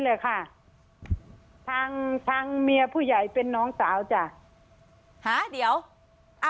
เลยค่ะทางทางเมียผู้ใหญ่เป็นน้องสาวจ้ะหาเดี๋ยวอ่า